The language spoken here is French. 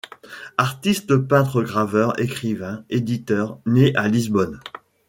Artiste peintre-graveur, écrivain, éditeur, né à Lisbonne.